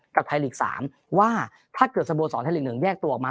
๒กับไทยฤกษ์๓ว่าถ้าเกิดสโบสอนไทยฤกษ์๑แยกตัวออกมา